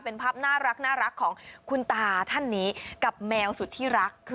เป็นภาพน่ารักของคุณตาท่านนี้กับแมวสุดที่รัก